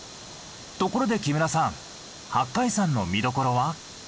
ところで木村さん八海山の見どころは？